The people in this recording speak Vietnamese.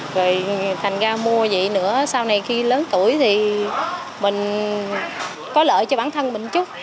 rồi thành ra mua vậy nữa sau này khi lớn tuổi thì mình có lợi cho bản thân mình chút